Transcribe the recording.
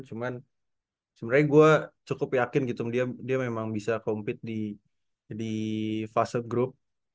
cuman sebenarnya gue cukup yakin gitu dia memang bisa compete di fase grup